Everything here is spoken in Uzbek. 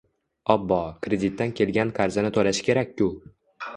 Obbo, kreditdan qolgan qarzini toʻlashi kerak-ku